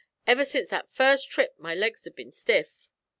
Ever sence that first trip my laigs 'a' bin stiff!'